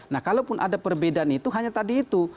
nah kalaupun ada perbedaan itu hanya tadi itu